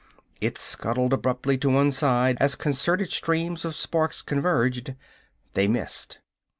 It scuttled abruptly to one side as concerted streams of sparks converged. They missed.